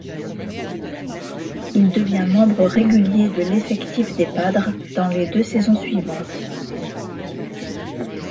Il devient membre régulier de l'effectif des Padres dans les deux saisons suivantes.